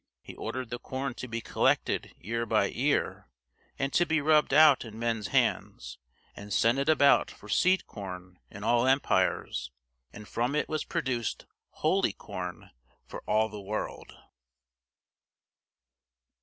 He ordered the corn to be collected ear by ear, and to be rubbed out in men's hands; and sent it about for seed corn in all empires, and from it was produced holy corn for all the world.